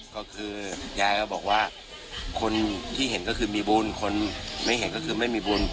ก็คือยายก็บอกว่าคนที่เห็นก็คือมีบุญคนไม่เห็นก็คือไม่มีบุญ